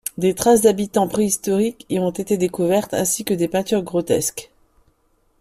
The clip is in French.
Des traces d'habitats préhistoriques y ont été découvertes, ainsi que des peintures grotesques.